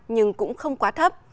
nhưng cũng không quá thấp